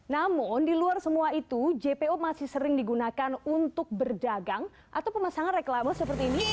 namun di luar semua itu jpo masih sering digunakan untuk berdagang atau pemasangan reklama seperti ini